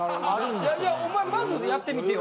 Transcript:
いやいやお前まずやってみてよ。